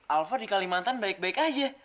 alpha di kalimantan baik baik aja